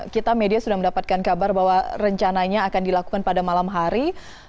kita media sudah mendapatkan kabar bahwa rencananya akan dilakukan pada malam hari